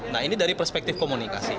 nah ini dari perspektif komunikasi